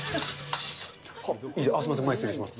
すみません、前、失礼します。